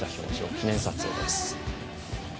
記念撮影です。